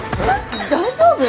大丈夫？